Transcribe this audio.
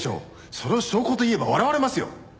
それを証拠と言えば笑われますよ！